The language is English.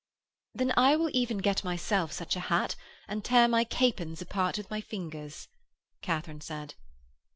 'Then I will even get myself such a hat and tear my capons apart with my fingers,' Katharine said.